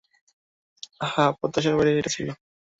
হ্যাঁ, প্রত্যাশার বাইরে ছিল এটা!